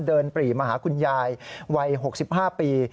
ปรีมาหาคุณยายวัย๖๕ปี